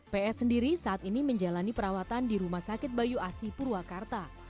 ps sendiri saat ini menjalani perawatan di rumah sakit bayu asi purwakarta